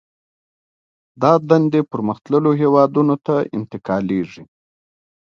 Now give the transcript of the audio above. دا دندې پرمختللو هېوادونو ته انتقالېږي